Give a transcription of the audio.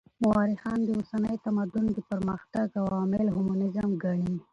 مؤرخان د اوسني تمدن د پرمختګ عوامل هیومنيزم ګڼي.